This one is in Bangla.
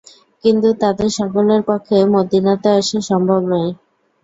কিন্তু তাদের সকলের পক্ষে মদীনাতে আসা সম্ভব নয়।